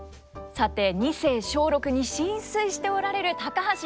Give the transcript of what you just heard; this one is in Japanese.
さて二世松緑に心酔しておられる高橋英樹さん。